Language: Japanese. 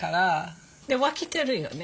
で分けてるよね。